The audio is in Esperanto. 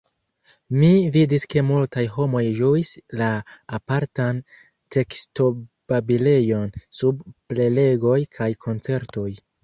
Mi vidis ke multaj homoj ĝuis la apartan tekstobabilejon sub prelegoj kaj koncertoj.